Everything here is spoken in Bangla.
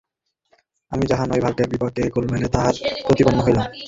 আমি যাহা নই ভাগ্যের বিপাকে গোলেমালে তাহাই প্রতিপন্ন হইলাম।